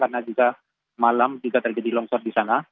karena juga malam juga terjadi longsor di sana